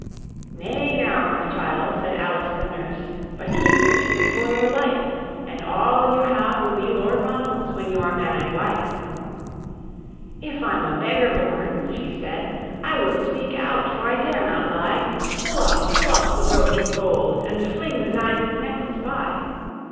"Nay now, my child," said Alice the nurse, "But keep the secret for your life, And all you have will be Lord Ronald's When you are man and wife." "If I'm a beggar born," she said, "I will speak out, for I dare not lie. Pull off, pull off the brooch of gold, And fling the diamond necklace by."